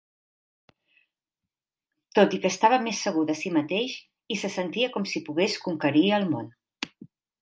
Tot i que estava més segur de si mateix i se sentia com si pogués conquerir el món.